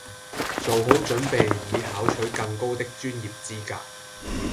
做好準備以考取更高的專業資格